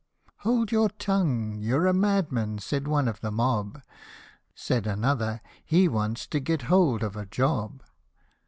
" Hold your tongue, you're a madman," said one of the mob; Said another, " he wants to get hold of a job."